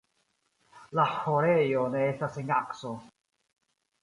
La ĥorejo ne estas en akso.